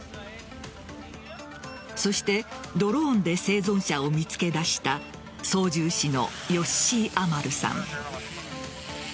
そしてドローンで生存者を見つけ出した操縦士のヨッシー・アマルさん。